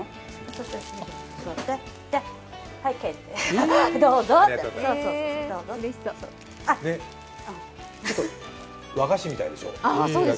ちょっと和菓子みたいでしょ。